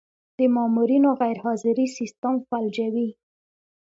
د مامورینو غیرحاضري سیستم فلجوي.